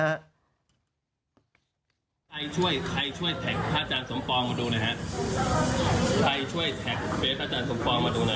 ใครช่วยใครช่วยแท็กพระอาจารย์สมฟองมาดูนะฮะ